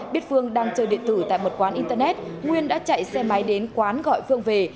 biết phương đang chơi điện tử tại một quán internet nguyên đã chạy xe máy đến quán gọi phương về